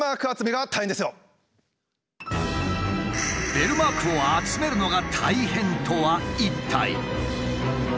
「ベルマークを集めるのが大変！？」とは一体。